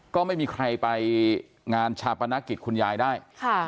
ก็ไม่มีใครไปงานชาปนกิจคุณยายได้